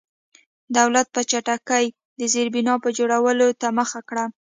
دولت په چټکۍ د زېربنا جوړولو ته مخه کړه.